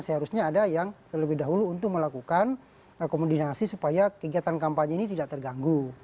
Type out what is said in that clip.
seharusnya ada yang terlebih dahulu untuk melakukan kombinasi supaya kegiatan kampanye ini tidak terganggu